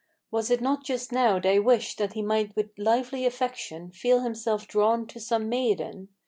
Was it not just now thy wish that he might with lively affection Feel himself drawn to some maiden?